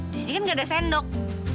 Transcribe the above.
disini kan gak ada sendok